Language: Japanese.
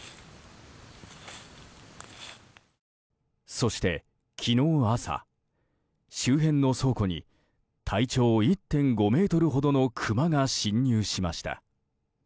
そして昨日朝、周辺の倉庫に体長１．５ｍほどのクマが侵入しました。